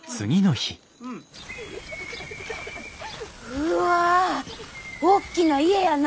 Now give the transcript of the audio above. うわおっきな家やな！